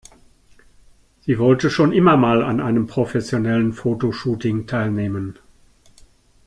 Sie wollte schon immer mal an einem professionellen Fotoshooting teilnehmen.